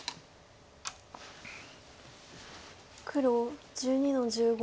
黒１２の十五。